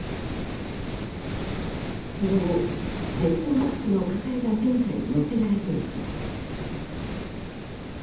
その後Ｚマークの書かれた戦車に載せられていきます。